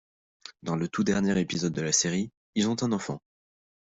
Dans le tout dernier épisode de la série, ils ont un enfant.